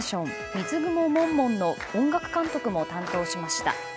「水グモもんもん」の音楽監督も担当しました。